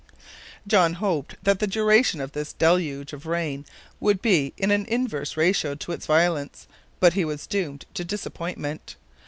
John hoped that the duration of this deluge of rain would be in an inverse ratio to its violence, but he was doomed to disappointment.